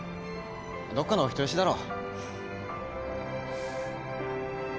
どっかのお人よしだろ。